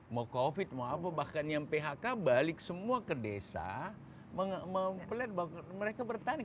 mau covid mau apa bahkan yang phk balik semua ke desa mempelai mereka bertani